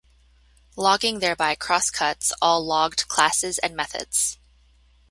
Logging thereby "crosscuts" all logged classes and methods.